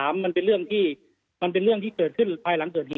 ๓มันเป็นเรื่องที่เกิดขึ้นภายหลังเกิดเหตุ